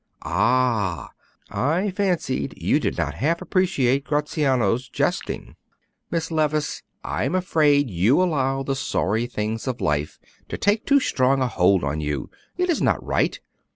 "Ah! I fancied you did not half appreciate Gratiano's jesting. Miss Levice, I am afraid you allow the sorry things of life to take too strong a hold on you. It is not right.